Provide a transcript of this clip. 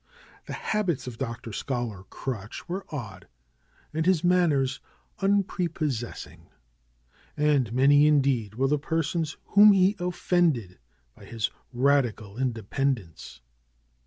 The habits of Dr. Scholar Crutch were odd, and his manners unprepossessing. And many indeed were the 137 138 DR. SCHOLAR CRUTCH persons whom he offended by his radical independ ence.